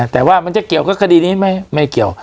แต่ว่ามันจะเกี่ยวกับคดีนี้ไม่เกี่ยว